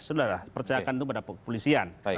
sudah lah percaya akan pada polisian